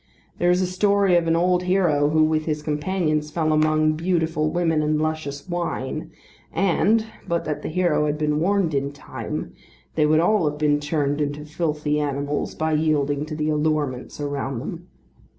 There is a story of an old hero who with his companions fell among beautiful women and luscious wine, and, but that the hero had been warned in time, they would all have been turned into filthy animals by yielding to the allurements around them.